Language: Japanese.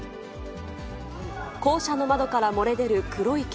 校舎の窓から漏れ出る黒い煙。